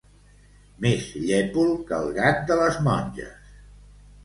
Més llépol que el gat de les monges.